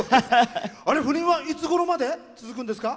赴任はいつごろまで続くんですか？